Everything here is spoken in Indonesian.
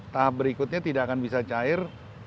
tahap berikutnya tidak akan bisa cair